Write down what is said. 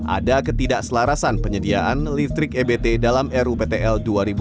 ada ketidakselarasan penyediaan listrik ebt dalam ruptl dua ribu dua puluh satu dua ribu tiga puluh